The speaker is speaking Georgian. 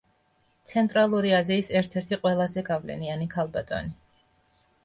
ცენტრალური აზიის ერთ-ერთი ყველაზე გავლენიანი ქალბატონი.